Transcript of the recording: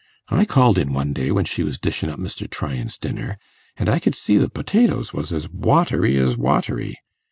I called in one day when she was dishin' up Mr. Tryan's dinner, an' I could see the potatoes was as watery as watery.